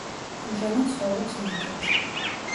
ამჟამად ცხოვრობს ლონდონში.